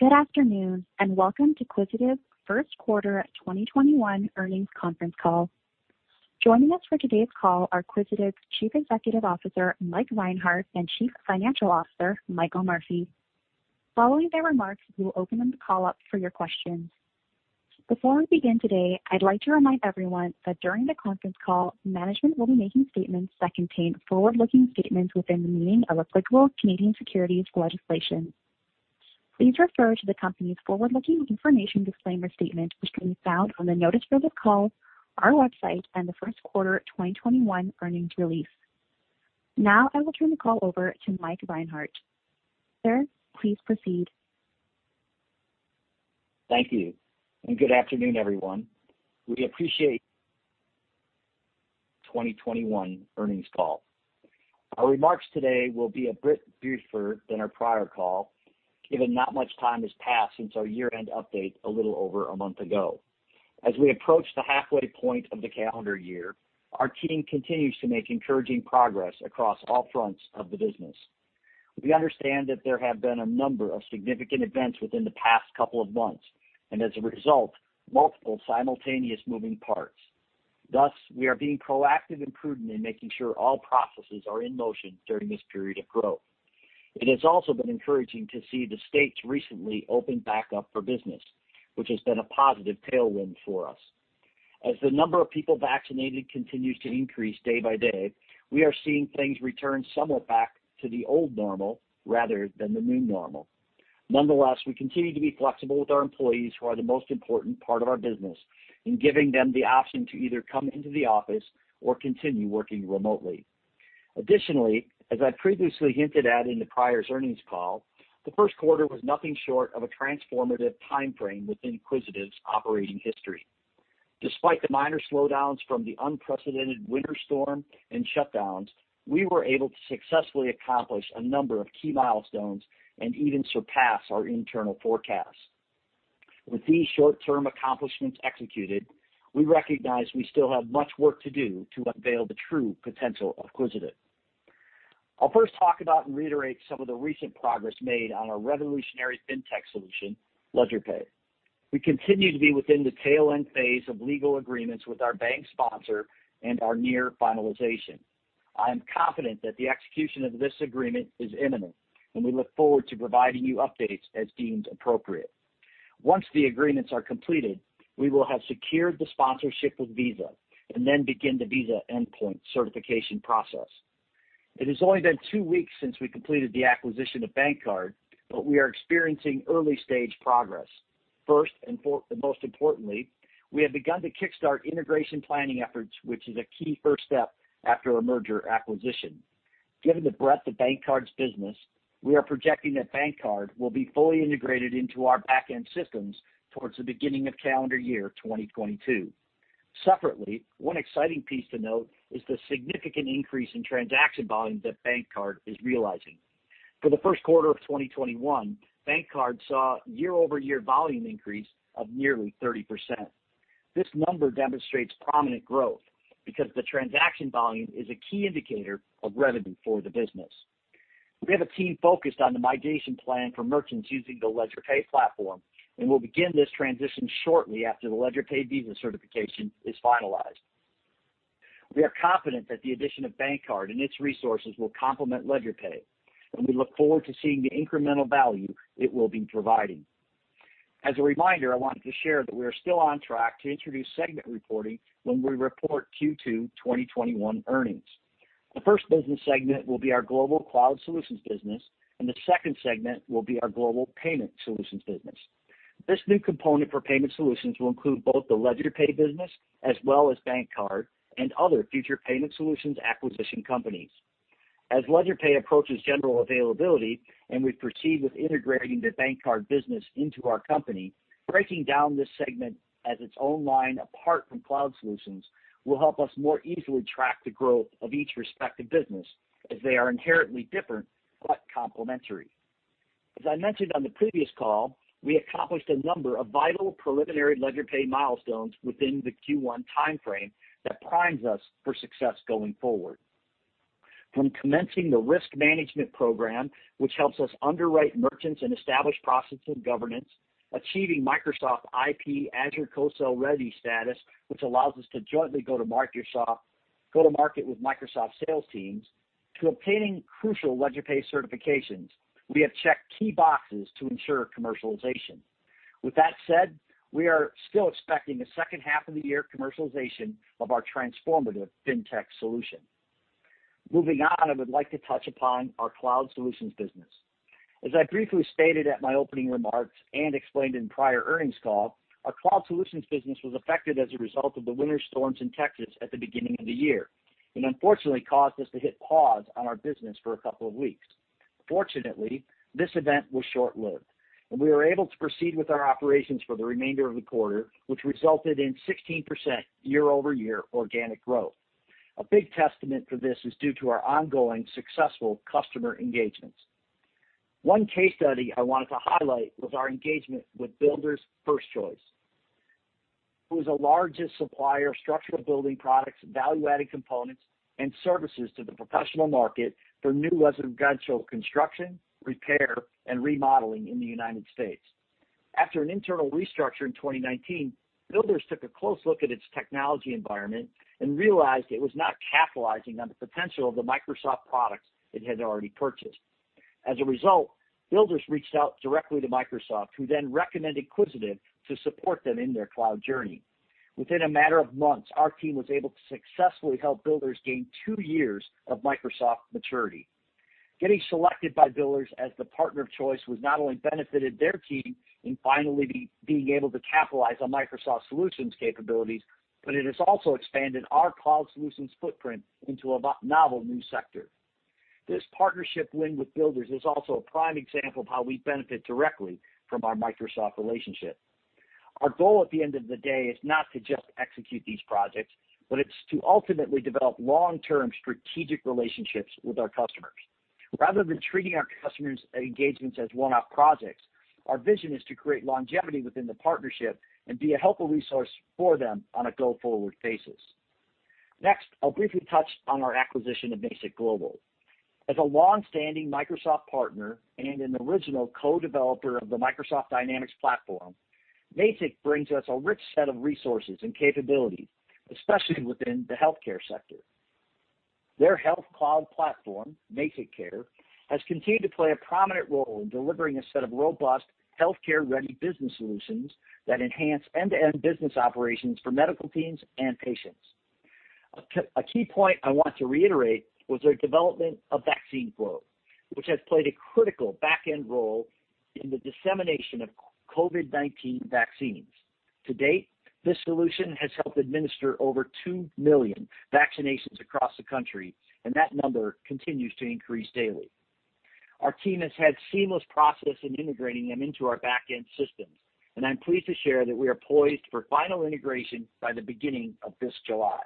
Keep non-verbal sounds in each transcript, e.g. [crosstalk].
Good afternoon, and welcome to Quisitive's first quarter 2021 earnings conference call. Joining us for today's call are Quisitive's Chief Executive Officer, Mike Reinhart, and Chief Financial Officer, Michael Murphy. Following their remarks, we will open the call up for your questions. Before we begin today, I'd like to remind everyone that during the conference call, management will be making statements that contain forward-looking statements within the meaning of applicable Canadian securities legislation. Please refer to the company's forward-looking information disclaimer statement, which can be found on the notice for this call, our website, and the first quarter 2021 earnings release. I will turn the call over to Mike Reinhart. Sir, please proceed. Thank you. Good afternoon, everyone. We appreciate [inaudible] 2021 earnings call. Our remarks today will be a bit briefer than our prior call, given not much time has passed since our year-end update a little over a month ago. As we approach the halfway point of the calendar year, our team continues to make encouraging progress across all fronts of the business. We understand that there have been a number of significant events within the past couple of months, and as a result, multiple simultaneous moving parts. Thus, we are being proactive and prudent in making sure all processes are in motion during this period of growth. It has also been encouraging to see the states recently open back up for business, which has been a positive tailwind for us. As the number of people vaccinated continues to increase day by day, we are seeing things return somewhat back to the old normal rather than the new normal. Nonetheless, we continue to be flexible with our employees who are the most important part of our business in giving them the option to either come into the office or continue working remotely. Additionally, as I previously hinted at in the prior earnings call, the first quarter was nothing short of a transformative timeframe within Quisitive's operating history. Despite the minor slowdowns from the unprecedented winter storm and shutdowns, we were able to successfully accomplish a number of key milestones and even surpass our internal forecast. With these short-term accomplishments executed, we recognize we still have much work to do to unveil the true potential of Quisitive. I'll first talk about and reiterate some of the recent progress made on our revolutionary fintech solution, LedgerPay. We continue to be within the tail-end phase of legal agreements with our bank sponsor and are near finalization. I am confident that the execution of this agreement is imminent, and we look forward to providing you updates as deemed appropriate. Once the agreements are completed, we will have secured the sponsorship with Visa and then begin the Visa endpoint certification process. It has only been two weeks since we completed the acquisition of BankCard, but we are experiencing early-stage progress. First, and most importantly, we have begun to kickstart integration planning efforts, which is a key first step after a merger acquisition. Given the breadth of BankCard's business, we are projecting that BankCard will be fully integrated into our back-end systems towards the beginning of calendar year 2022. Separately, one exciting piece to note is the significant increase in transaction volume that BankCard is realizing. For the first quarter of 2021, BankCard saw year-over-year volume increase of nearly 30%. This number demonstrates prominent growth because the transaction volume is a key indicator of revenue for the business. We have a team focused on the migration plan for merchants using the LedgerPay platform, and we'll begin this transition shortly after the LedgerPay Visa certification is finalized. We are confident that the addition of BankCard and its resources will complement LedgerPay, and we look forward to seeing the incremental value it will be providing. As a reminder, I want to share that we are still on track to introduce segment reporting when we report Q2 2021 earnings. The first business segment will be our Global Cloud Solutions business, and the second segment will be our Global Payment Solutions business. This new component for Payment Solutions will include both the LedgerPay business as well as BankCard and other future Payment Solutions acquisition companies. As LedgerPay approaches general availability and we proceed with integrating the BankCard business into our company, breaking down this segment as its own line apart from cloud solutions will help us more easily track the growth of each respective business as they are inherently different but complementary. As I mentioned on the previous call, we accomplished a number of vital preliminary LedgerPay milestones within the Q1 timeframe that primes us for success going forward. From commencing a risk management program, which helps us underwrite merchants and establish processes governance, achieving Microsoft IP Azure Co-sell Ready status, which allows us to jointly go to market with Microsoft sales teams, to obtaining crucial LedgerPay certifications. We have checked key boxes to ensure commercialization. With that said, we are still expecting the second half of the year commercialization of our transformative fintech solution. Moving on, I would like to touch upon our Cloud Solutions business. As I briefly stated in my opening remarks and explained in prior earnings calls, our Cloud Solutions business was affected as a result of the winter storms in Texas at the beginning of the year and unfortunately caused us to hit pause on our business for a couple of weeks. Fortunately, this event was short-lived, and we were able to proceed with our operations for the remainder of the quarter, which resulted in 16% year-over-year organic growth. A big testament to this is due to our ongoing successful customer engagements. One case study I wanted to highlight was our engagement with Builders FirstSource, who is the largest supplier of structural building products, value-added components, and services to the professional market for new residential construction, repair, and remodeling in the United States. After an internal restructure in 2019, Builders took a close look at its technology environment and realized it was not capitalizing on the potential of the Microsoft products it had already purchased. As a result, Builders reached out directly to Microsoft, who then recommended Quisitive to support them in their cloud journey. Within a matter of months, our team was able to successfully help Builders gain two years of Microsoft maturity. Getting selected by Builders as the partner of choice has not only benefited their team in finally being able to capitalize on Microsoft Solutions capabilities, but it has also expanded our cloud solutions footprint into a novel new sector. This partnership win with Builders is also a prime example of how we benefit directly from our Microsoft relationship. Our goal at the end of the day is not to just execute these projects, but it's to ultimately develop long-term strategic relationships with our customers. Rather than treating our customers' engagements as one-off projects, our vision is to create longevity within the partnership and be a helpful resource for them on a go-forward basis. Next, I'll briefly touch on our acquisition of Mazik Global. As a longstanding Microsoft partner and an original co-developer of the Microsoft Dynamics platform, Mazik brings us a rich set of resources and capabilities, especially within the healthcare sector. Their health cloud platform, MazikCare, has continued to play a prominent role in delivering a set of robust healthcare-ready business solutions that enhance end-to-end business operations for medical teams and patients. A key point I want to reiterate was their development of Vaccine Flow, which has played a critical back-end role in the dissemination of COVID-19 vaccines. To date, this solution has helped administer over 2 million vaccinations across the country, and that number continues to increase daily. Our team has had seamless process in integrating them into our back-end systems, and I'm pleased to share that we are poised for final integration by the beginning of this July.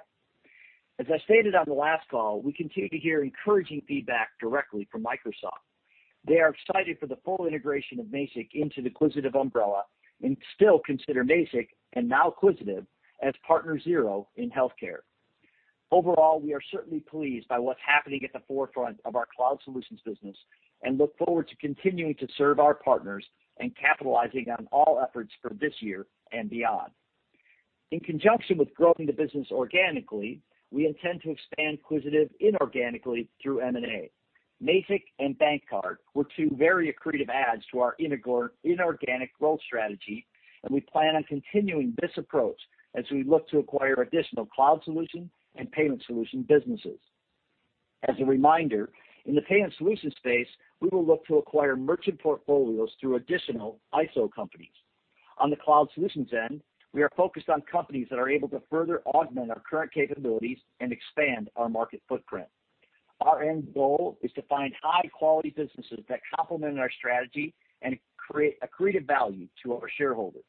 As I stated on the last call, we continue to hear encouraging feedback directly from Microsoft. They are excited for the full integration of Mazik into the Quisitive umbrella and still consider Mazik, and now Quisitive, as partner zero in healthcare. Overall, we are certainly pleased by what's happening at the forefront of our Cloud Solutions business and look forward to continuing to serve our partners and capitalizing on all efforts for this year and beyond. In conjunction with growing the business organically, we intend to expand Quisitive inorganically through M&A. Mazik and BankCard were two very accretive adds to our inorganic growth strategy, and we plan on continuing this approach as we look to acquire additional cloud solution and payment solution businesses. As a reminder, in the payment solution space, we will look to acquire merchant portfolios through additional ISO companies. On the cloud solutions end, we are focused on companies that are able to further augment our current capabilities and expand our market footprint. Our end goal is to find high-quality businesses that complement our strategy and create accretive value to our shareholders.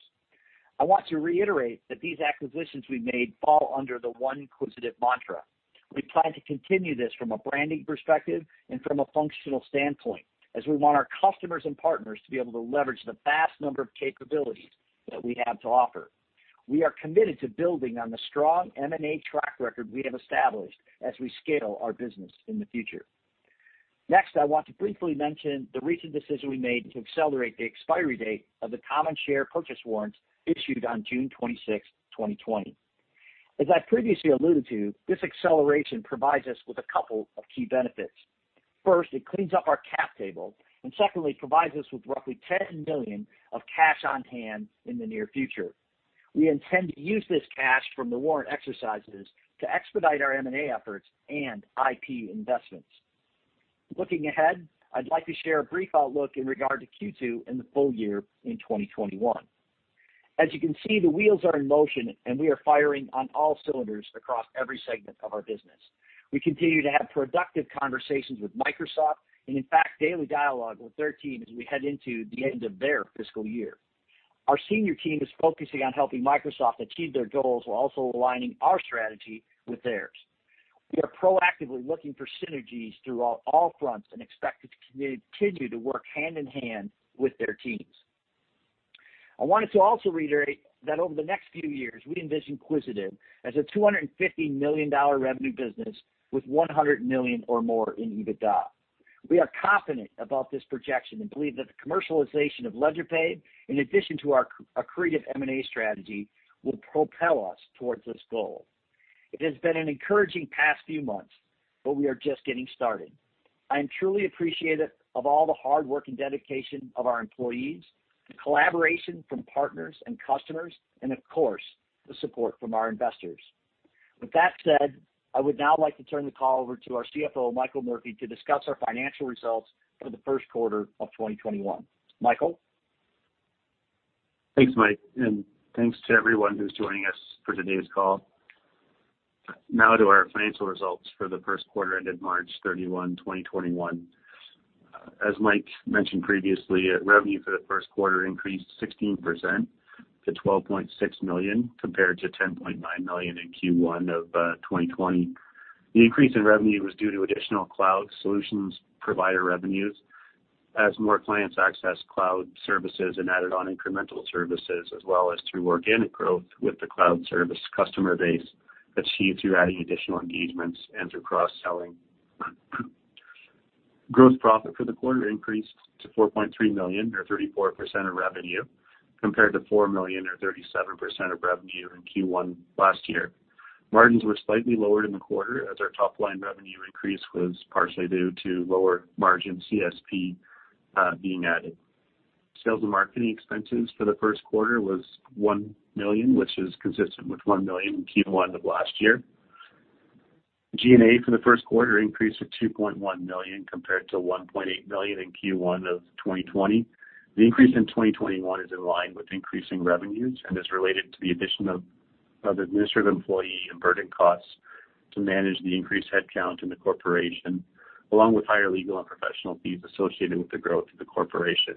I want to reiterate that these acquisitions we've made fall under the One Quisitive mantra. We plan to continue this from a branding perspective and from a functional standpoint, as we want our customers and partners to be able to leverage the vast number of capabilities that we have to offer. We are committed to building on the strong M&A track record we have established as we scale our business in the future. Next, I want to briefly mention the recent decision we made to accelerate the expiry date of the common share purchase warrants issued on June 26, 2020. As I previously alluded to, this acceleration provides us with a couple of key benefits. First, it cleans up our cap table, and secondly, provides us with roughly 10 million of cash on hand in the near future. We intend to use this cash from the warrant exercises to expedite our M&A efforts and IP investments. Looking ahead, I'd like to share a brief outlook in regard to Q2 and the full year in 2021. As you can see, the wheels are in motion, and we are firing on all cylinders across every segment of our business. We continue to have productive conversations with Microsoft and, in fact, daily dialogue with their team as we head into the end of their fiscal year. Our senior team is focusing on helping Microsoft achieve their goals while also aligning our strategy with theirs. We are proactively looking for synergies throughout all fronts and expect to continue to work hand-in-hand with their teams. I wanted to also reiterate that over the next few years, we envision Quisitive as a 250 million dollar revenue business with 100 million or more in EBITDA. We are confident about this projection and believe that the commercialization of LedgerPay, in addition to our accretive M&A strategy, will propel us towards this goal. It has been an encouraging past few months, but we are just getting started. I am truly appreciative of all the hard work and dedication of our employees, the collaboration from partners and customers and, of course, the support from our investors. With that said, I would now like to turn the call over to our CFO, Michael Murphy, to discuss our financial results for the first quarter of 2021. Michael? Thanks, Mike, and thanks to everyone who's joining us for today's call. To our financial results for the first quarter ended March 31, 2021. As Mike mentioned previously, revenue for the first quarter increased 16% to 12.6 million compared to 10.9 million in Q1 2020. The increase in revenue was due to additional cloud solutions provider revenues as more clients access cloud services and added on incremental services as well as through organic growth with the cloud service customer base achieved through adding additional engagements and through cross-selling. Gross profit for the quarter increased to 4.3 million or 34% of revenue, compared to 4 million or 37% of revenue in Q1 last year. Margins were slightly lower in the quarter as our top-line revenue increase was partially due to lower margin CSP being added. Sales and marketing expenses for the first quarter was 1 million, which is consistent with 1 million in Q1 of last year. G&A for the first quarter increased to 2.1 million compared to 1.8 million in Q1 of 2020. The increase in 2021 is in line with increasing revenues and is related to the addition of administrative employee and burden costs to manage the increased headcount in the corporation, along with higher legal and professional fees associated with the growth of the corporation.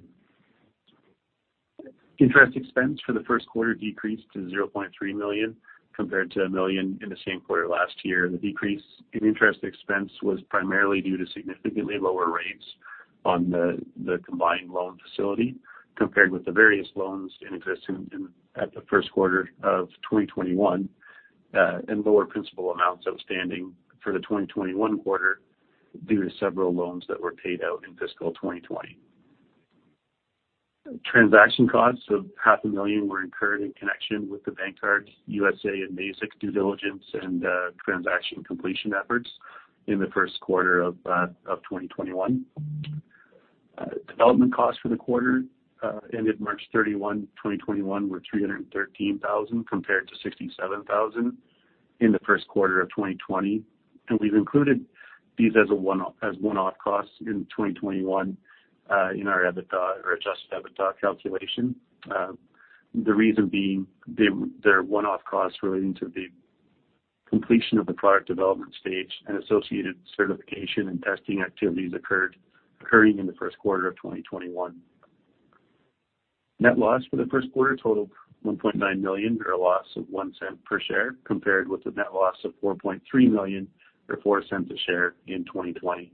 Interest expense for the first quarter decreased to 0.3 million compared to 1 million in the same quarter last year. The decrease in interest expense was primarily due to significantly lower rates on the combined loan facility compared with the various loans in existing at the first quarter of 2021, and lower principal amounts outstanding for the 2021 quarter due to several loans that were paid out in fiscal 2020. Transaction costs of 500,000 were incurred in connection with the BankCard USA and Mazik due diligence and transaction completion efforts in the first quarter of 2021. Development costs for the quarter ended March 31, 2021, were 313,000 compared to 67,000 in the first quarter of 2020. We’ve included these as one-off costs in 2021 in our adjusted EBITDA calculation. The reason being, they’re one-off costs relating to the completion of the product development stage and associated certification and testing activities occurring in the first quarter of 2021. Net loss for the first quarter totaled 1.9 million or a loss of 0.01 per share, compared with a net loss of 4.3 million or 0.04 a share in 2020.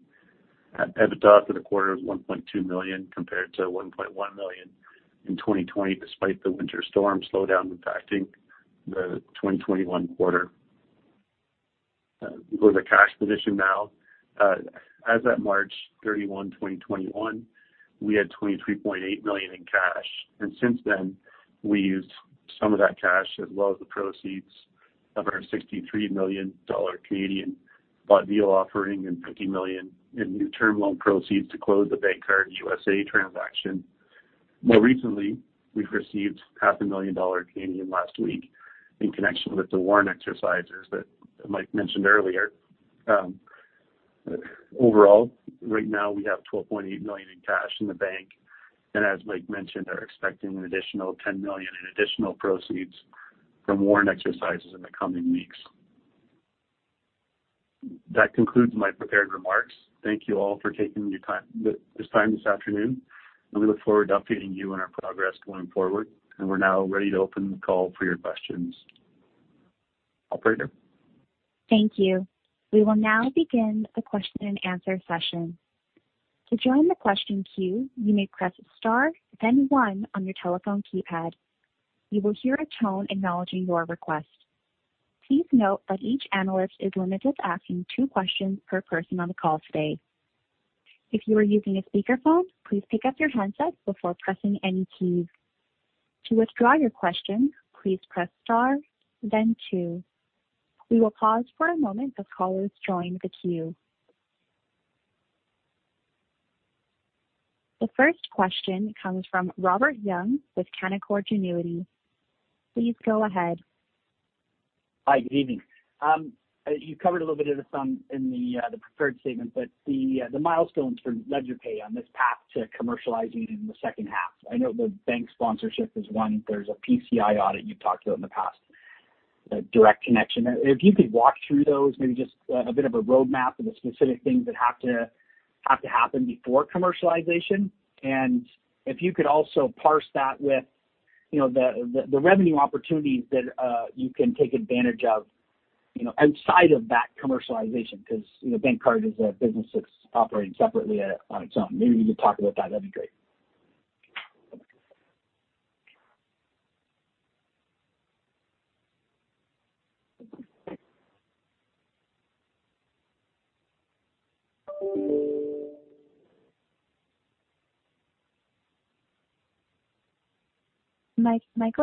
EBITDA for the quarter of 1.2 million compared to 1.1 million in 2020 despite the winter storm slowdown impacting the 2021 quarter. We'll go to cash position now. As at March 31, 2021, we had 23.8 million in cash. Since then, we used some of that cash as well as the proceeds of our 63 million Canadian dollars bond deal offering and 50 million in new term loan proceeds to close the BankCard USA transaction. More recently, we've received 500,000 dollar last week in connection with the warrant exercises that Mike mentioned earlier. Overall, right now we have 12.8 million in cash in the bank. As Mike mentioned, are expecting an additional 10 million in additional proceeds from warrant exercises in the coming weeks. That concludes my prepared remarks. Thank you all for taking the time this afternoon, and we look forward to updating you on our progress going forward. We're now ready to open the call for your questions. Operator? Thank you. We will now begin the question-and-answer session. To join the question queue, you may press star then one on your telephone keypad. You will hear a tone acknowledging your request. Please note that each analyst is limited to asking two questions per person on the call today. If you are using a speakerphone, please pick up your handset before pressing any keys. To withdraw your question, please press star then two. We will pause for a moment as callers join the queue. The first question comes from Robert Young with Canaccord Genuity. Please go ahead. Hi, good evening. You covered a little bit of some in the prepared statement, the milestones for LedgerPay on this path to commercializing in the second half. I know the bank sponsorship is one, there's a PCI audit you talked about in the past, the direct connection. If you could walk through those, maybe just a bit of a roadmap of the specific things that have to happen before commercialization. If you could also parse that with the revenue opportunities that you can take advantage of inside of that commercialization, because BankCard is a business that's operating separately on its own. Maybe you could talk about that'd be great. Mike,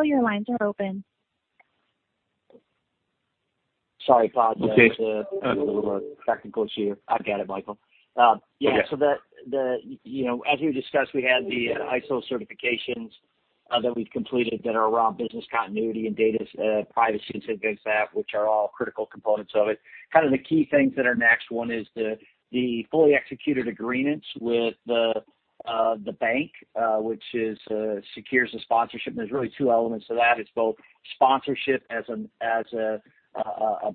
your lines are open. Sorry, folks. There's a little technical issue. I've got it, Michael. Yeah. As we discussed, we had the ISO certifications that we completed that are around business continuity and data privacy and things of that, which are all critical components of it. The key things that are next, one is the fully executed agreements with the bank, which secures the sponsorship. There's really two elements to that. It's both sponsorship as a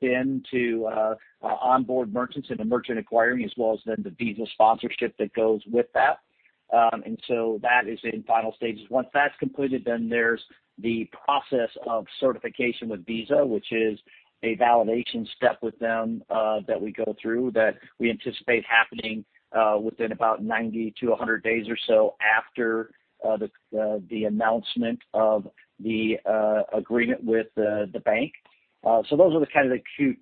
BIN to onboard merchants and a merchant acquiring, as well as then the Visa sponsorship that goes with that. That is in final stages. Once that's completed, there's the process of certification with Visa, which is a validation step with them that we go through that we anticipate happening within about 90-100 days or so after the announcement of the agreement with the bank. Those are the two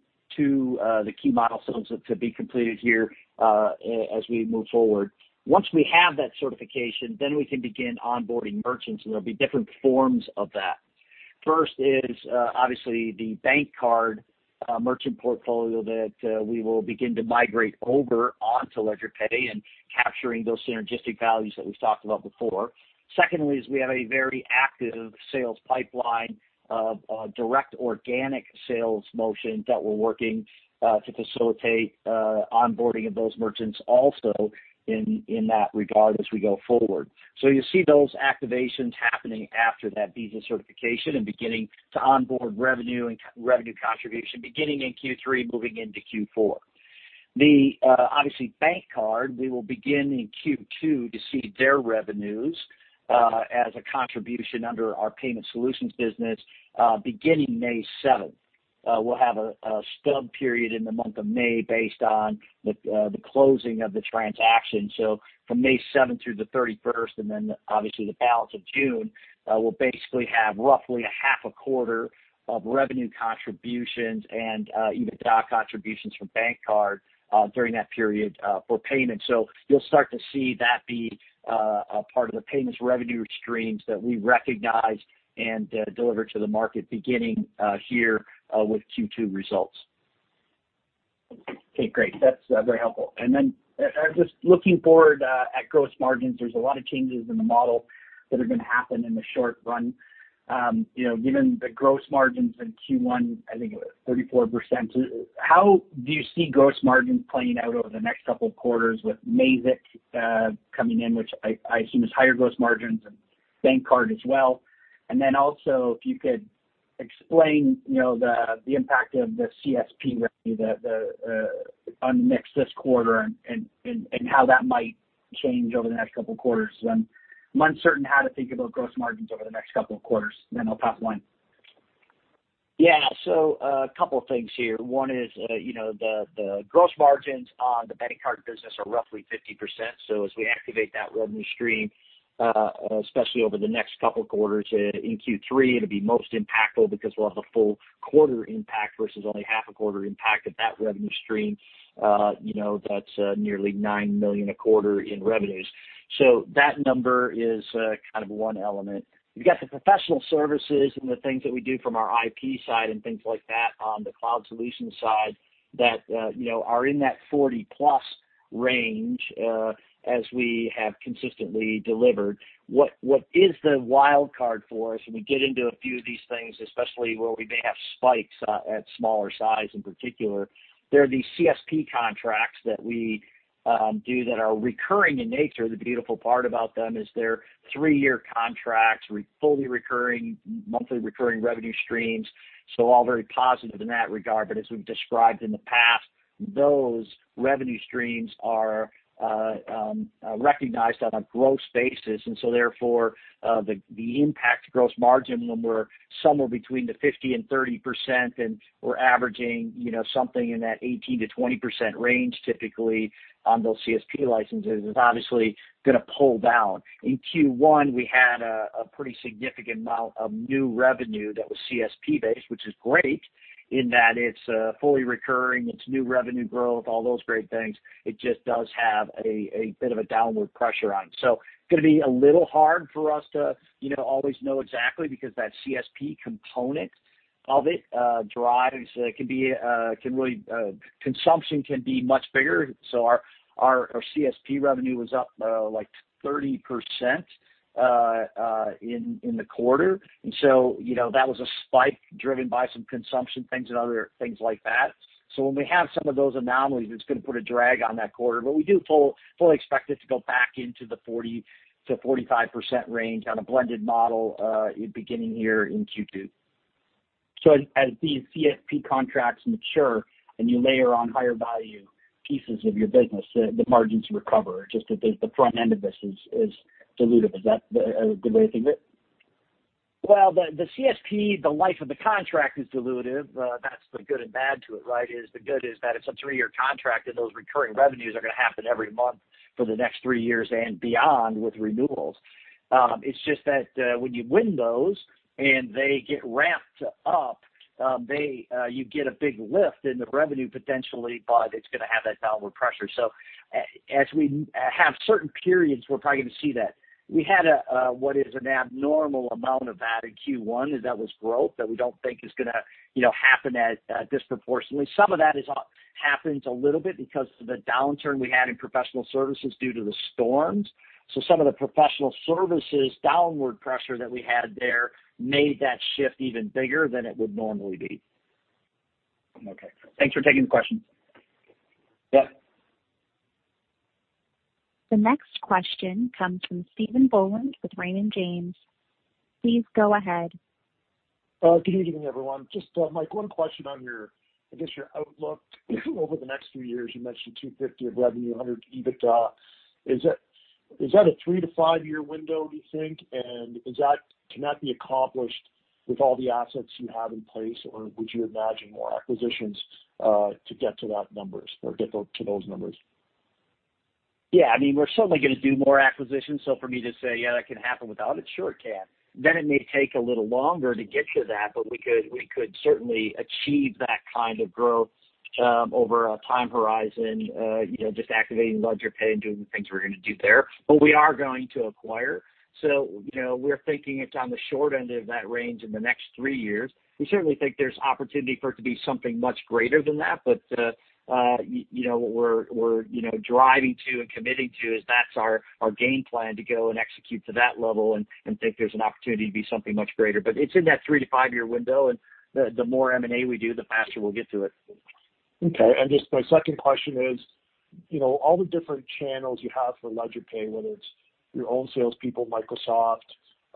key milestones that could be completed here as we move forward. Once we have that certification, then we can begin onboarding merchants, and there'll be different forms of that. First is obviously the BankCard merchant portfolio that we will begin to migrate over onto LedgerPay and capturing those synergistic values that we've talked about before. Secondly is we have a very active sales pipeline of direct organic sales motions that we're working to facilitate onboarding of those merchants also in that regard as we go forward. You'll see those activations happening after that Visa certification and beginning to onboard revenue and revenue contribution beginning in Q3, moving into Q4. Obviously, BankCard, we will begin in Q2 to see their revenues as a contribution under our payment solutions business beginning May 7th. We'll have a stub period in the month of May based on the closing of the transaction. From May 7th through the 31st, and then obviously the balance of June, we'll basically have roughly a half a quarter of revenue contributions and even contribution from BankCard during that period for payment. You'll start to see that be a part of the payments revenue streams that we recognize and deliver to the market beginning here with Q2 results. Okay, great. That's very helpful. Just looking forward at gross margins, there's a lot of changes in the model that are going to happen in the short run. Given the gross margins in Q1, I think it was 34%. How do you see gross margins playing out over the next couple of quarters with Mazik coming in, which I assume is higher gross margins and BankCard as well. Also, if you could explain the impact of the CSP revenue that on mix this quarter and how that might change over the next couple of quarters. I'm uncertain how to think about gross margins over the next couple of quarters. I'll pop one. A couple of things here. One is the gross margins on the BankCard business are roughly 50%. As we activate that revenue stream, especially over the next couple of quarters in Q3, it'll be most impactful because we'll have a full-quarter impact versus only half-a-quarter impact of that revenue stream. That's nearly 9 million a quarter in revenues. That number is one element. You got the professional services and the things that we do from our IP side and things like that on the cloud solution side that are in that 40+ range as we have consistently delivered. What is the wildcard for us when we get into a few of these things, especially where we may have spikes at smaller size in particular, they're these CSP contracts that we do that are recurring in nature. The beautiful part about them is they're three-year contracts with fully recurring monthly recurring revenue streams. All very positive in that regard. As we've described in the past, those revenue streams are recognized on a gross basis, therefore, the impact to gross margin when we're somewhere between the 50% and 30% and we're averaging something in that 18%-20% range typically on those CSP licenses is obviously going to pull down. In Q1, we had a pretty significant amount of new revenue that was CSP based, which is great in that it's fully recurring, it's new revenue growth, all those great things. It just does have a bit of a downward pressure on it. Going to be a little hard for us to always know exactly because that CSP component of it drives. Consumption can be much bigger. Our CSP revenue was up like 30% in the quarter. That was a spike driven by some consumption things and other things like that. When we have some of those anomalies, it's going to put a drag on that quarter. We do fully expect it to go back into the 40%-45% range on a blended model beginning here in Q2. As these CSP contracts mature and you layer on higher-value pieces of your business, the margins recover. Just to think the front end of this is dilutive. Is that the way to think of it? The CSP, the life of the contract is dilutive. That's the good and bad to it. The good is that it's a three-year contract, and those recurring revenues are going to happen every month for the next three years and beyond with renewals. It's just that when you win those and they get ramped up, you get a big lift in the revenue potentially, but it's going to have that downward pressure. As we have certain periods, we're probably going to see that. We had what is an abnormal amount of that in Q1, and that was growth that we don't think is going to happen disproportionately. Some of that happens a little bit because of the downturn we had in professional services due to the storms. Some of the professional services downward pressure that we had there made that shift even bigger than it would normally be. Okay. Thanks for taking the question. Yeah. The next question comes from Stephen Boland with Raymond James. Please go ahead. Good evening, everyone. Just, Mike, one question on your, I guess, your outlook over the next few years. You mentioned 250 million of revenue, 100 million EBITDA. Is that a three to five-year window, do you think? Can that be accomplished with all the assets you have in place, or would you imagine more acquisitions to get to that numbers or get to those numbers? We're certainly going to do more acquisitions, for me to say, "Yeah, that can happen without it," sure it can. It may take a little longer to get to that, we could certainly achieve that kind of growth over a time horizon, just activating LedgerPay and doing the things we're going to do there. We are going to acquire, we're thinking it's on the short end of that range in the next three years. We certainly think there's opportunity for it to be something much greater than that. What we're driving to and committing to is that's our game plan to go and execute to that level and think there's an opportunity to be something much greater. It's in that three to five-year window, the more M&A we do, the faster we'll get to it. Okay. Just my second question is, all the different channels you have for LedgerPay, whether it's your own salespeople, Microsoft,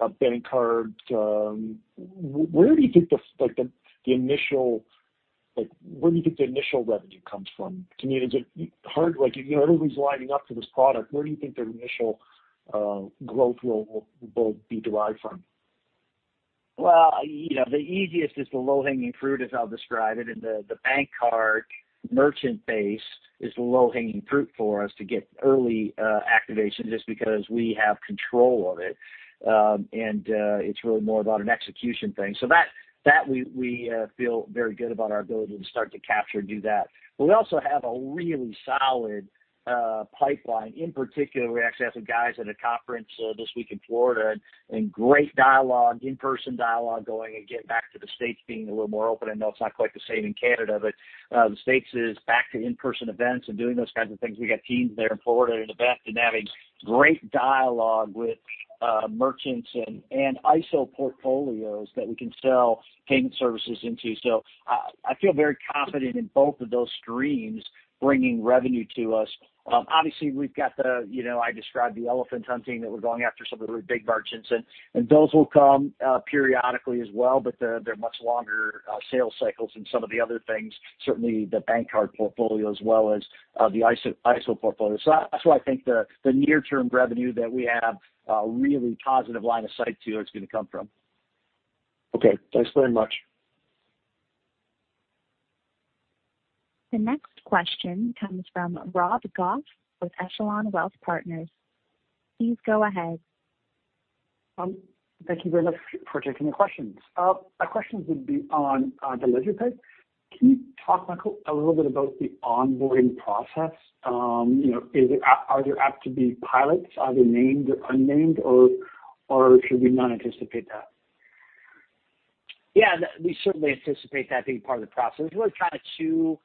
BankCard, where do you think the initial revenue comes from? To me, is it hard like everybody's lining up for this product? Where do you think the initial growth will be derived from? The easiest is the low-hanging fruit, as I'll describe it, and the BankCard merchant base is the low-hanging fruit for us to get early activations just because we have control of it. It's really more about an execution thing. We feel very good about our ability to start to capture and do that. We also have a really solid pipeline. In particular, we're actually having guys at a conference this week in Florida, and great dialogue, in-person dialogue going, and getting back to the states being a little more open. I know it's not quite the same in Canada, but the states is back to in-person events and doing those kinds of things. We got teams there in Florida at an event and having great dialogue with merchants and ISO portfolios that we can sell payment services into. I feel very confident in both of those streams bringing revenue to us. Obviously, we've got the, I described the elephant hunting, that we're going after some of the really big merchants and those will come periodically as well, but they're much longer sales cycles than some of the other things, certainly the BankCard portfolio as well as the ISO portfolio. That's where I think the near-term revenue that we have a really positive line of sight to is going to come from. Okay. Thanks very much. The next question comes from Rob Goff with Echelon Wealth Partners. Please go ahead. Thank you very much for taking the questions. My questions would be on the LedgerPay. Can you talk, Mike, a little bit about the onboarding process? Are there apt to be pilots? Are they named or unnamed, or should we not anticipate that? Yeah, we certainly anticipate that being part of the process. There's really two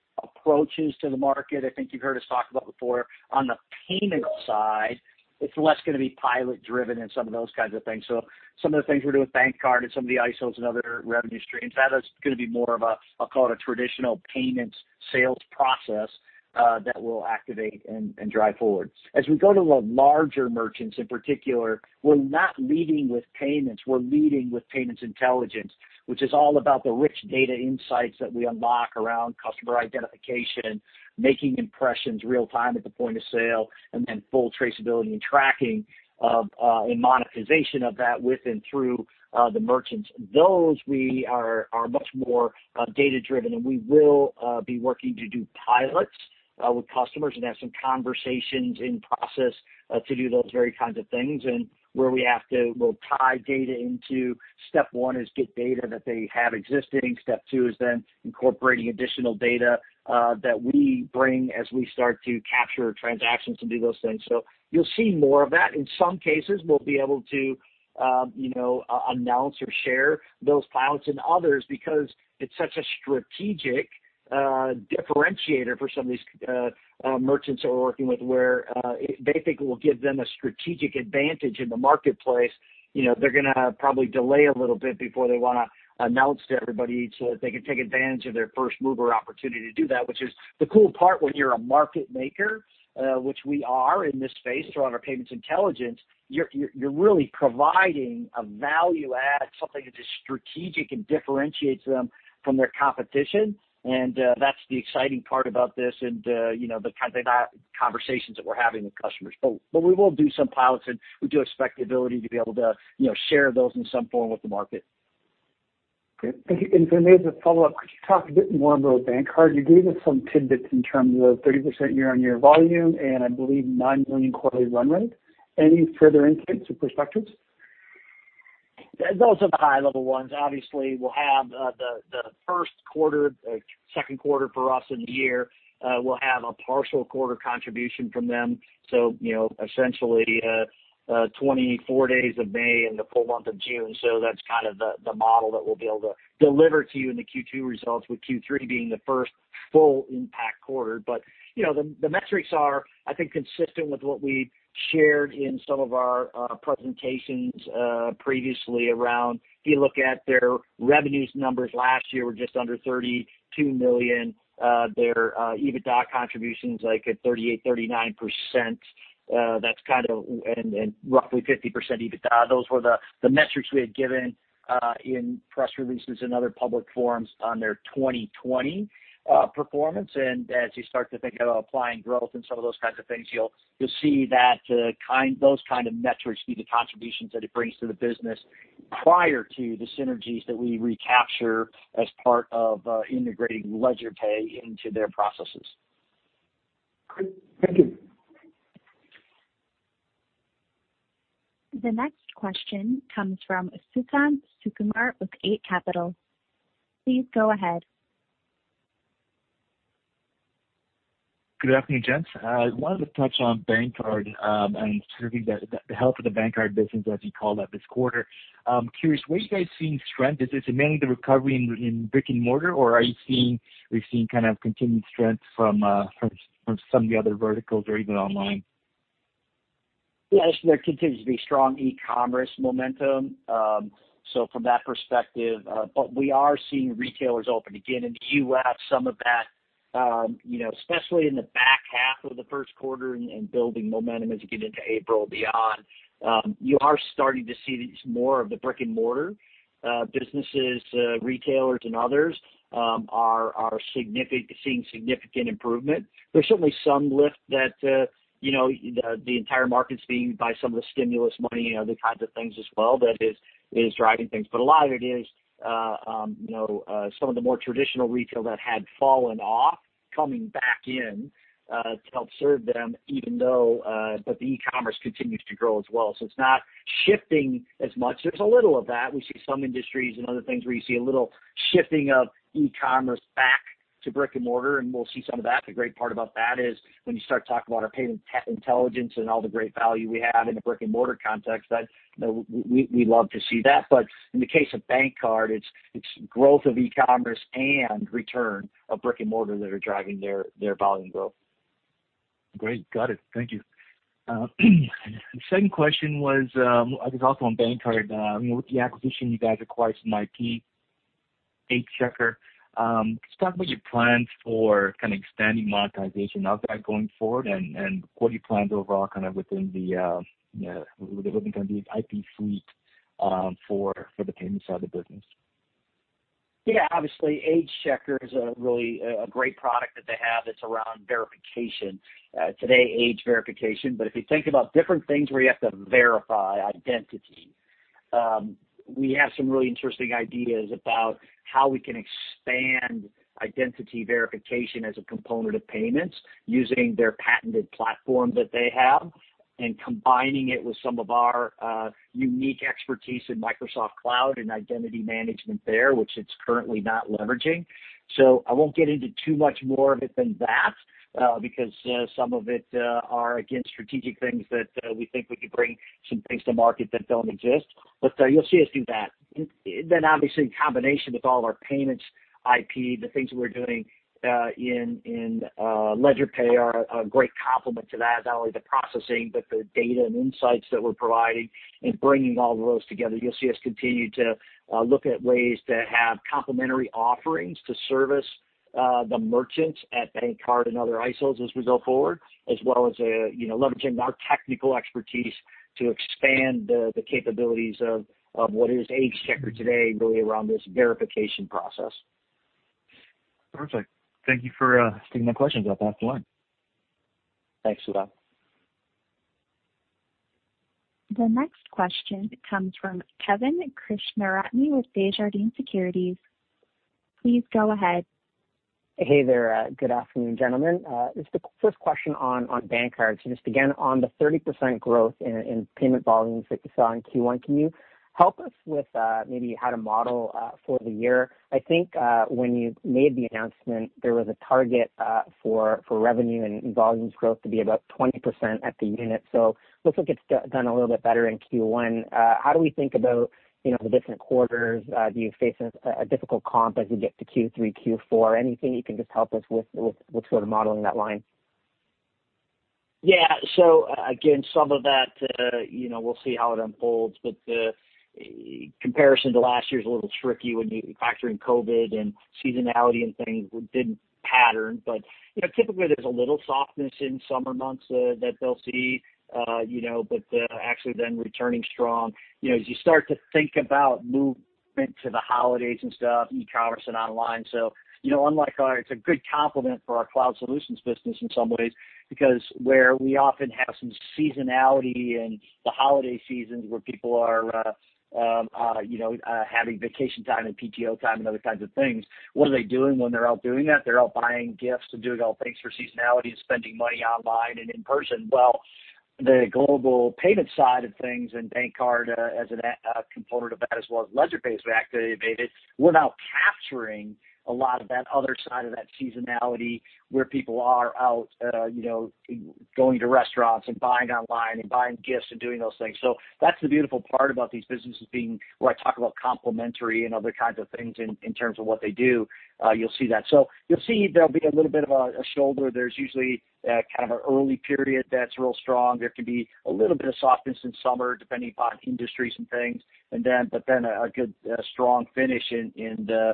approaches to the market I think you've heard us talk about before. On the payment side, it's less going to be pilot-driven and some of those kinds of things. Some of the things we do with BankCard and some of the ISOs and other revenue streams, that is going to be more of a traditional payments sales process that we'll activate and drive forward. As we go to the larger merchants in particular, we're not leading with payments, we're leading with payments intelligence, which is all about the rich data insights that we unlock around customer identification, making impressions real time at the point of sale, and then full traceability and tracking of and monetization of that with and through the merchants. Those we are much more data-driven, and we will be working to do pilots with customers and have some conversations in process to do those very kinds of things. Where we have to, we'll tie data into step one is get data that they have existing. Step two is then incorporating additional data that we bring as we start to capture transactions and do those things. You'll see more of that. In some cases, we'll be able to announce or share those pilots than others because it's such a strategic differentiator for some of these merchants that we're working with where they think it will give them a strategic advantage in the marketplace. They're going to probably delay a little bit before they want to announce to everybody so that they can take advantage of their first-mover opportunity to do that, which is the cool part when you're a market maker, which we are in this space around our payments intelligence. You're really providing a value add, something that is strategic and differentiates them from their competition, and that's the exciting part about this and the kind of conversations that we're having with customers. We will do some pilots, and we do expect the ability to be able to share those in some form with the market. Great. Thank you. If I may, as a follow-up, could you talk a bit more about BankCard? You gave us some tidbits in terms of 30% year-on-year volume and I believe 9 million quarterly run rate. Any further insights or perspectives? Those are the high-level ones. Obviously, we'll have the first quarter, second quarter for us in the year. We'll have a partial quarter contribution from them. Essentially, 24 days of May and the full month of June. That's the model that we'll be able to deliver to you in the Q2 results, with Q3 being the first full impact quarter. The metrics are, I think, consistent with what we've shared in some of our presentations previously around, if you look at their revenues numbers last year were just under 32 million. Their EBITDA contribution's like at 38%-39%. That's roughly 50% EBITDA. Those were the metrics we had given in press releases and other public forums on their 2020 performance. As you start to think of applying growth and some of those kinds of things, you'll see those kind of metrics, be the contributions that it brings to the business prior to the synergies that we recapture as part of integrating LedgerPay into their processes. Great. Thank you. The next question comes from Suthan Sukumar with Eight Capital. Please go ahead. Good afternoon, gents. I wanted to touch on BankCard and sort of the health of the BankCard business as you called out this quarter. I'm curious, where are you guys seeing strength? Is it mainly the recovery in brick and mortar, or are you seeing continued strength from some of the other verticals or even online? I think there continues to be strong e-commerce momentum. From that perspective, but we are seeing retailers open again and Q2 have some of that, especially in the back half of the first quarter and building momentum as we get into April beyond. You are starting to see more of the brick-and-mortar businesses, retailers and others are seeing significant improvement. There's certainly some lift that the entire market's seeing by some of the stimulus money and other types of things as well that is driving things. A lot of it is some of the more traditional retail that had fallen off coming back in to help serve them even though, but the e-commerce continues to grow as well. It's not shifting as much. There's a little of that. We see some industries and other things where you see a little shifting of e-commerce back to brick and mortar, and we'll see some of that. The great part about that is when you start talking about our payment intelligence and all the great value we have in the brick and mortar context, we love to see that. In the case of BankCard, it's growth of e-commerce and return of brick and mortar that are driving their volume growth. Great. Got it. Thank you. Second question was also on BankCard. With the acquisition, you guys acquired some IP, AgeChecker. Just talk about your plans for expanding monetization of that going forward and what are your plans overall within the IP suite for the payments side of the business. AgeChecker is really a great product that they have that's around verification. Today, age verification. If you think about different things where you have to verify identity. We have some really interesting ideas about how we can expand identity verification as a component of payments using their patented platform that they have, and combining it with some of our unique expertise in Microsoft Cloud and identity management there, which it's currently not leveraging. I won't get into too much more of it than that, because some of it are, again, strategic things that we think we can bring some things to market that don't exist. You'll see us do that. In combination with all of our payments IP, the things that we're doing in LedgerPay are a great complement to that. Not only the processing, but the data and insights that we're providing and bringing all of those together. You'll see us continue to look at ways to have complementary offerings to service the merchants at BankCard and other ISOs as we go forward, as well as leveraging our technical expertise to expand the capabilities of what is AgeChecker today, really around this verification process. Perfect. Thank you for taking my questions. I'll pass it along. Thanks, Suthan. The next question comes from Kevin Krishnaratne with Desjardins Securities. Please go ahead. Hey there. Good afternoon, gentlemen. Just a quick question on BankCard. Just again, on the 30% growth in payment volumes that you saw in Q1, can you help us with maybe how to model for the year? I think when you made the announcement, there was a target for revenue and volumes growth to be about 20% at the unit. Looks like it's done a little bit better in Q1. How do we think about the different quarters? Do you face a difficult comp as we get to Q3, Q4? Anything you can just help us with sort of modeling that line? Yeah. Again, some of that we'll see how it unfolds. The comparison to last year is a little tricky when you factor in COVID-19 and seasonality and things didn't pattern. Typically, there's a little softness in summer months that they'll see, but actually then returning strong. As you start to think about movement to the holidays and stuff, e-commerce and online. Unlike our, it's a good complement for our Cloud Solutions business in some ways, because where we often have some seasonality in the holiday seasons where people are having vacation time and PTO time and other kinds of things. What are they doing when they're out doing that? They're out buying gifts and doing all things for seasonality and spending money online and in person. Well the global payment side of things and BankCard as a component of that as well as LedgerPay, is the fact that we're now capturing a lot of that other side of that seasonality where people are out going to restaurants and buying online and buying gifts and doing those things. That's the beautiful part about these businesses being where I talk about complementary and other kinds of things in terms of what they do. You'll see that. You'll see there'll be a little bit of a slow burn. There's usually that kind of early period that's real strong. There can be a little bit of softness in summer, depending upon industries and things, but then a good strong finish in the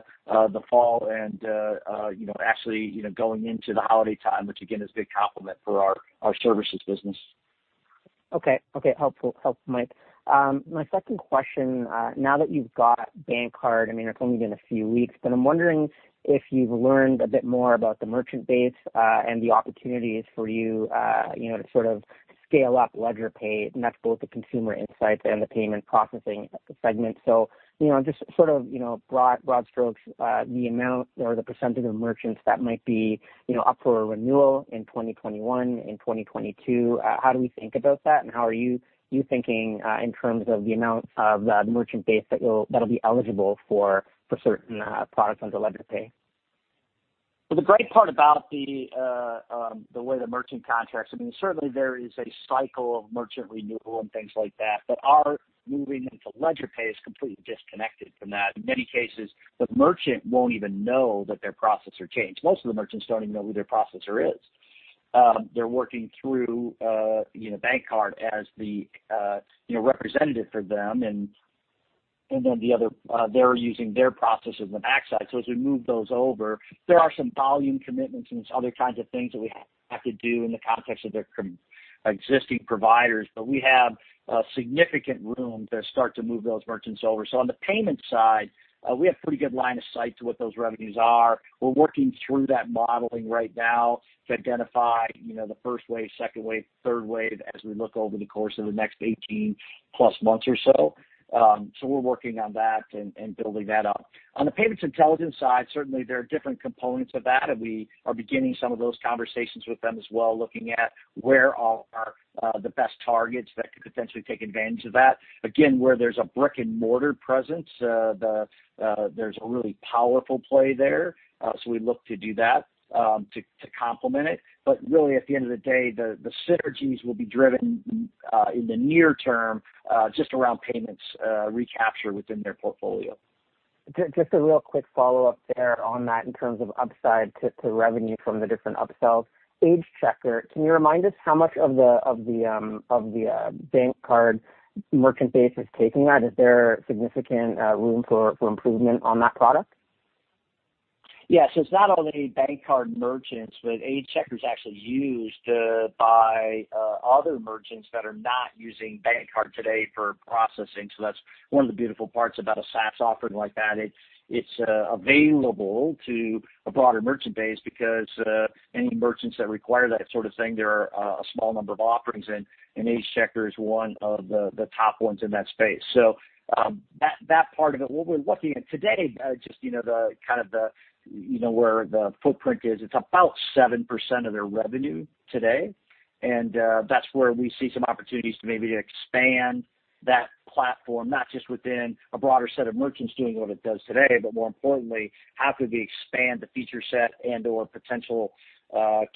fall and actually going into the holiday time, which again is a big complement for our services business. Okay. Helpful, Mike. My second question, now that you've got BankCard, it's only been a few weeks, but I'm wondering if you've learned a bit more about the merchant base, and the opportunities for you to sort of scale up LedgerPay and that's both the consumer insights and the payment processing segment. Just sort of broad strokes, the amount or the percentage of merchants that might be up for renewal in 2021 and 2022. How do we think about that, and how are you thinking in terms of the amount of that merchant base that'll be eligible for certain products under LedgerPay? The great part about the way the merchant contracts, certainly there is a cycle of merchant renewal and things like that, but our moving into LedgerPay is completely disconnected from that. In many cases, the merchant won't even know that their processor changed. Most of the merchants don't even know who their processor is. They're working through BankCard as the representative for them, and then they're using their processor on the back side. As we move those over, there are some volume commitments and some other kinds of things that we have to do in the context of their existing providers. We have significant room to start to move those merchants over. On the payment side, we have pretty good line of sight to what those revenues are. We're working through that modeling right now to identify the first wave, second wave, third wave as we look over the course of the next 18+ months or so. We're working on that and building that up. On the payments intelligence side, certainly there are different components of that, and we are beginning some of those conversations with them as well, looking at where are the best targets that could potentially take advantage of that. Again, where there's a brick-and-mortar presence, there's a really powerful play there. We look to do that to complement it. Really at the end of the day, the synergies will be driven in the near term, just around payments recapture within their portfolio. Just a real quick follow-up there on that in terms of upside to revenue from the different upsells. AgeChecker, can you remind us how much of the BankCard merchant base is taking that? Is there significant room for improvement on that product? It's not only BankCard merchants, but AgeChecker is actually used by other merchants that are not using BankCard today for processing. That's one of the beautiful parts about a SaaS offering like that. It's available to a broader merchant base because any merchants that require that sort of thing, there are a small number of offerings, and AgeChecker is one of the top ones in that space. That part of it, what we're looking at today, just where the footprint is, it's about 7% of their revenue today, and that's where we see some opportunities to maybe expand that platform, not just within a broader set of merchants doing what it does today, but more importantly, how could we expand the feature set and/or potential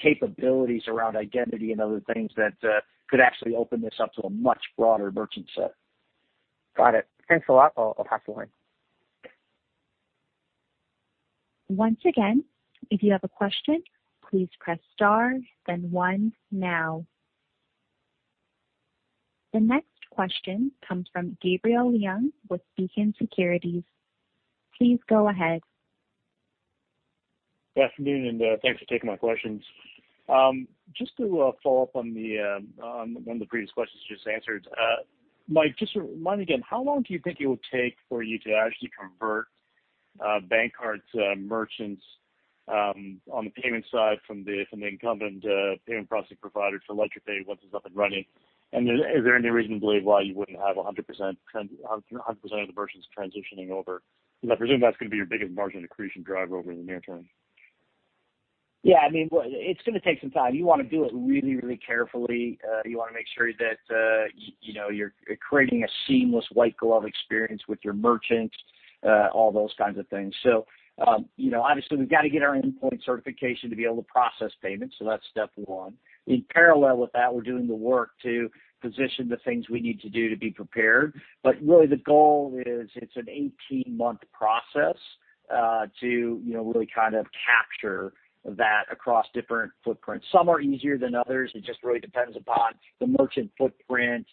capabilities around identity and other things that could actually open this up to a much broader merchant set. Got it. Thanks a lot. I'll pass the line. Once again, if you have a question, please press star then one now. The next question comes from Gabriel Leung with Beacon Securities. Please go ahead. Good afternoon, and thanks for taking my questions. Just to follow up on one of the previous questions just answered. Mike, just remind again, how long do you think it will take for you to actually convert BankCard's merchants on the payment side from the incumbent payment processing providers to LedgerPay once it's up and running? Is there any reason to believe why you wouldn't have 100% of the merchants transitioning over? I presume that's going to be your biggest margin accretion driver over the near term. Yeah, it's going to take some time. You want to do it really, really carefully. You want to make sure that you're creating a seamless white glove experience with your merchants, all those kinds of things. Obviously we've got to get our endpoint certification to be able to process payments. That's step one. In parallel with that, we're doing the work to position the things we need to do to be prepared. Really the goal is it's an 18-month process to really capture that across different footprints. Some are easier than others. It just really depends upon the merchant footprint,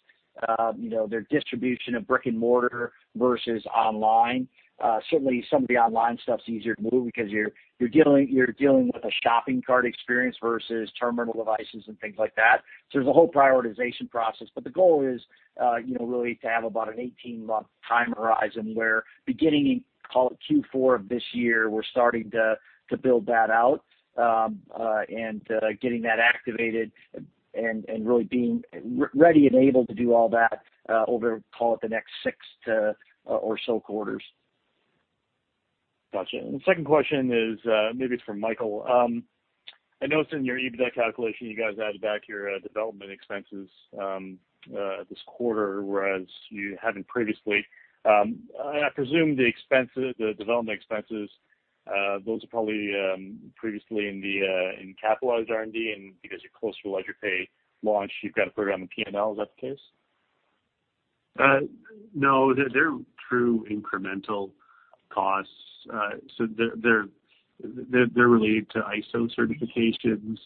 their distribution of brick-and-mortar versus online. Certainly, some of the online stuff's easier to move because you're dealing with a shopping cart experience versus terminal devices and things like that. There's a whole prioritization process. The goal is really to have about an 18-month time horizon where beginning in, call it Q4 of this year, we're starting to build that out, and getting that activated and really being ready and able to do all that over, call it the next six or so quarters. The second question is maybe for Michael. I know it’s in your EBITDA calculation, you guys added back your development expenses this quarter, whereas you hadn’t previously. I presume the development expenses, those are probably previously in capitalized R&D, and because you’re closer to LedgerPay launch, you’ve got to put them on P&L. Is that the case? No. They're true incremental costs. They're related to ISO certifications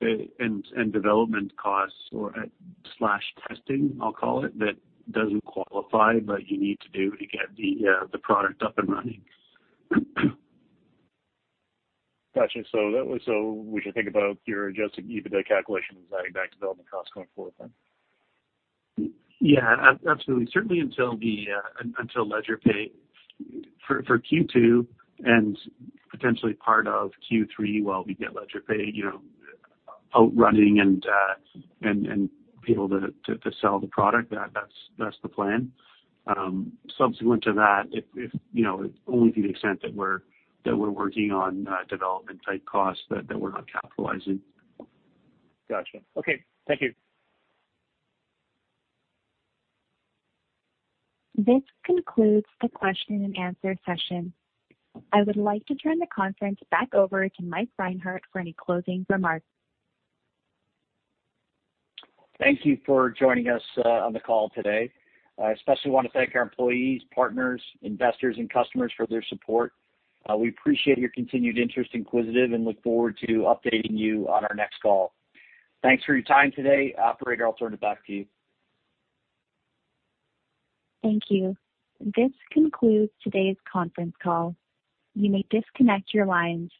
and development costs/testing, I'll call it, that doesn't qualify, but you need to do to get the product up and running. Got you. We should think about your adjusted EBITDA calculations adding back development costs going forward then? Absolutely. Certainly until LedgerPay for Q2 and potentially part of Q3 while we get LedgerPay out running and be able to sell the product. That's the plan. Subsequent to that, only to the extent that we're working on development-type costs that we're not capitalizing. Got you. Okay. Thank you. This concludes the question-and-answer session. I would like to turn the conference back over to Mike Reinhart for any closing remarks. Thank you for joining us on the call today. I especially want to thank our employees, partners, investors, and customers for their support. We appreciate your continued interest in Quisitive and look forward to updating you on our next call. Thanks for your time today. Operator, I'll turn it back to you. Thank you. This concludes today's conference call. You may disconnect your lines.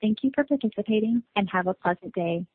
Thank you for participating and have a pleasant day.